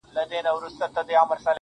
راته راگوري د رڼا پر كلي شپـه تـېـــروم